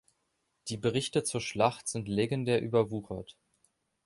Die Berichte zur Schlacht sind legendär überwuchert.